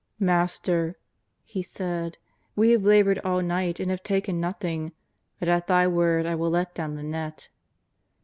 " Master," he said, " we have laboured all night and have taken nothing, but at Thy word I will let down the net."